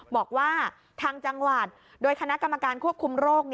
บอกว่าทางจังหวัดโดยคณะกรรมการควบคุมโรค